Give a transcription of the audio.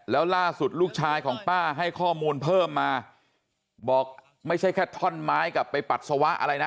แล้วล่าสุดลูกชายของป้าให้ข้อมูลเพิ่มมาบอกไม่ใช่แค่ท่อนไม้กลับไปปัสสาวะอะไรนะ